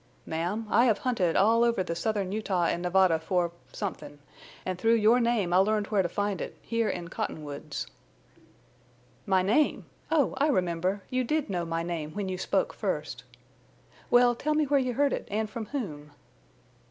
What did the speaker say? "Ma'am, I have hunted all over the southern Utah and Nevada for—somethin'. An' through your name I learned where to find it—here in Cottonwoods." "My name! Oh, I remember. You did know my name when you spoke first. Well, tell me where you heard it and from whom?"